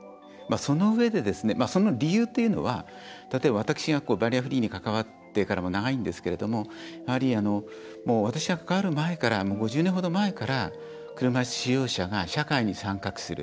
そのうえで、その理由というのは例えば、私がバリアフリーに関わってから長いんですけれどもやはり、私が関わる前から５０年程前から車いす使用者が社会に参画する。